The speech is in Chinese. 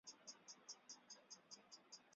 而相关的讨论更带动剧集收视。